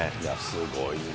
すごいね。